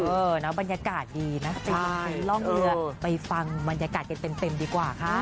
เออนะว่าบรรยากาศดีนะคะไปลองเรือไปฟังบรรยากาศเต็มดีกว่าค่ะ